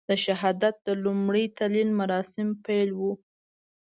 د شهادت د لومړي تلین مراسم پیل وو.